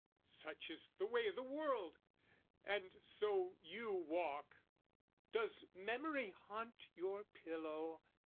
Such is the way o' the world, and so you walk: Does memory haunt your pillow?